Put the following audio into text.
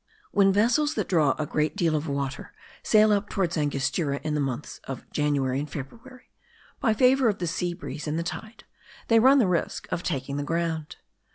When vessels that draw a good deal of water sail up toward Angostura in the months of January and February, by favour of the sea breeze and the tide, they run the risk of taking the ground.